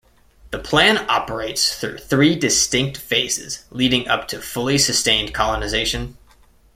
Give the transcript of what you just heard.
The plan operates through three distinct phases leading up to fully sustained colonization.